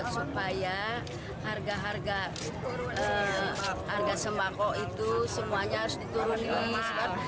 supaya harga harga sembako itu semuanya harus diturunin